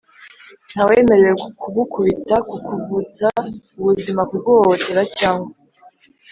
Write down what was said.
Ntawemerewe kugukubita kukuvutsa ubuzima kuguhohotera cyangwa